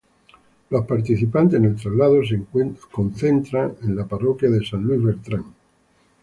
Los participantes en el traslado se concentran a la parroquia de San Luis Bertrán.